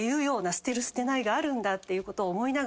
捨てる捨てないがあるんだっていうことを思いながら。